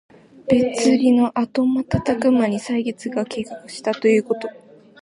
別離のあとまたたくまに歳月が経過したということ。